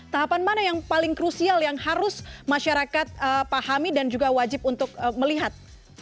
tahapan mana yang paling krusial yang harus masyarakat pahami dan juga wajib untuk melihat